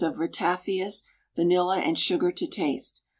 of ratafias, vanilla, and sugar to taste.